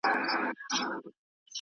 په شاهي ماڼۍ کې يې کتابتون جوړ کړ.